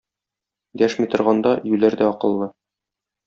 Дәшми торганда, юләр дә акыллы.